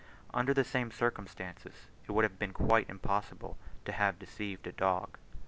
Under the same circumstances, it would have been quite impossible to have deceived a dog.